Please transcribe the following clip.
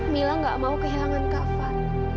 mila gak mau kehilangan kak fad